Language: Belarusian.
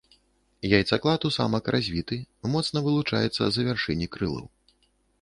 Яйцаклад у самак развіты, моцна вылучаецца за вяршыні крылаў.